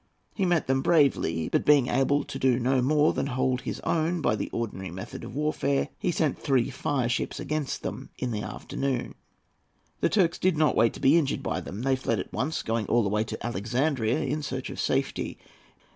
He met them bravely, but being able to do no more than hold his own by the ordinary method of warfare, he sent three fireships against them in the afternoon. The Turks did not wait to be injured by them. They fled at once, going all the way to Alexandria in search of safety.